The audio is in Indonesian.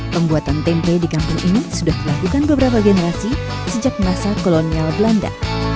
pembuatan tempe di kampung ini sudah dilakukan beberapa generasi sejak masa kolonial belanda